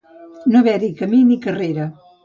No haver-hi camí ni carrera.